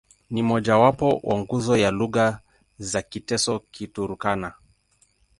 Ni mmojawapo wa nguzo ya lugha za Kiteso-Kiturkana.